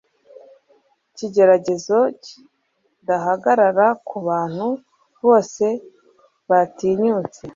ikigeragezo kidahagarara kubantu bose batinyutse